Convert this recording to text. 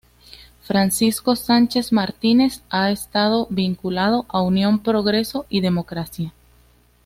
Francisco Sánchez Martínez ha estado vinculado a Unión Progreso y Democracia.